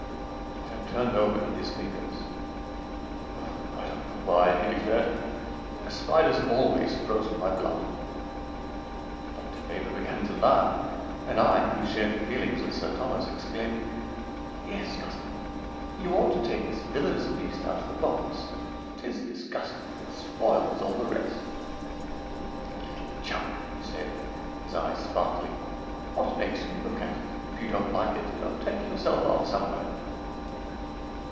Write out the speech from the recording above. It had turned over in his fingers. "Oh! I don't know why," he declared, "spiders have always frozen my blood!" Dr. Weber began to laugh, and I, who shared the feelings of Sir Thomas, exclaimed: "Yes, cousin, you ought to take this villainous beast out of the box it is disgusting it spoils all the rest." "Little chump," he said, his eyes sparkling, "what makes you look at it? If you don't like it, go take yourself off somewhere."